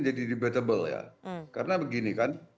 jadi debatable ya karena begini